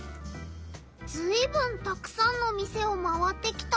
ずいぶんたくさんの店を回ってきたんだなあ。